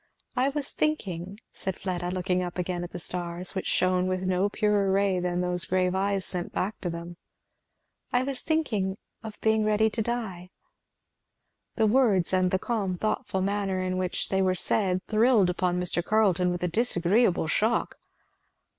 "I was thinking, " said Fleda, looking up again at the stars, which shone with no purer ray than those grave eyes sent back to them, "I was thinking of being ready to die." The words, and the calm thoughtful manner in which they were said, thrilled upon Mr. Carleton with a disagreeable shock.